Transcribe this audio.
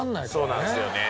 そうなんですよね。